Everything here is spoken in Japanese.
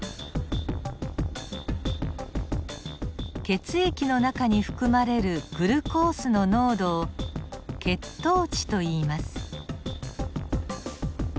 血液の中に含まれるグルコースの濃度を血糖値といいます。